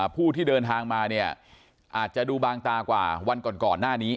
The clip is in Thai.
ผู้ที่เดินทางมาเนี่ยอาจจะดูบางตากว่าวันก่อนหน้านี้